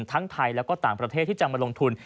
ทั้งไทยและก็ต่างประเทศที่จะมาลงทุน